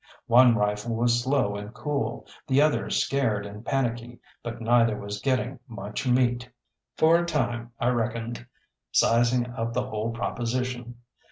One rifle was slow and cool, the other scared and panicky, but neither was getting much meat. For a time I reckoned, sizing up the whole proposition.